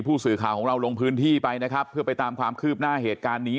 ผู้สื่อข่าวของเราลงพื้นที่ไปนะครับเพื่อไปตามความคืบหน้าเหตุการณ์นี้